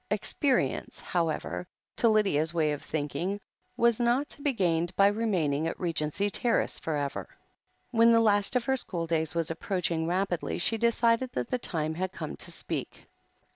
Experience, however, to Lydia's way of thinking. «1 THE HEEL OF ACHILLES 8i was not to be gained by remaining at Regency Terrace for ever. When the last of her school days was approaching rapidly, she decided that the time had come to speak.